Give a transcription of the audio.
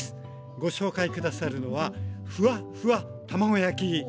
ご紹介下さるのはふわふわ卵焼きです。